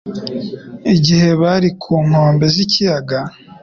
igihe bari ku nkombe z'ikiyaga.